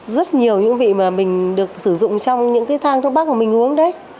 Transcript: rất nhiều những vị mà mình được sử dụng trong những cái thang thuốc bắc của mình uống đấy